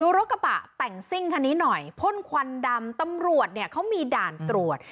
รถกระบะแต่งซิ่งคันนี้หน่อยพ่นควันดำตำรวจเนี่ยเขามีด่านตรวจ